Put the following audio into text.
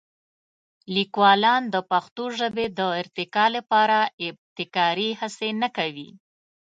لیکوالان د پښتو ژبې د ارتقا لپاره ابتکاري هڅې نه کوي.